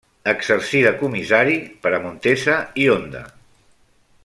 Exercí de comissari per a Montesa i Honda.